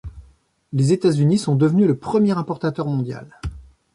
Les États-Unis sont devenus le premier importateur mondial.